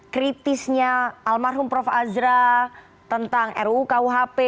kritisnya almarhum prof azra tentang ruu kuhp